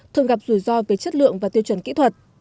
thường gặp rủi ro về chất lượng và tiêu chuẩn kỹ thuật